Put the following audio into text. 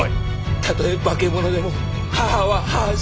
たとえ化け物でも母は母じゃ！